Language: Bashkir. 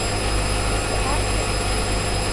— Факел!